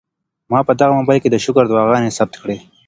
ما په دغه موبایل کي د شکر دعاګانې ثبت کړې.